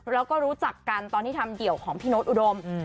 แล้วก็รู้จักกันตอนที่ทำเดี่ยวของพี่โน๊ตอุดม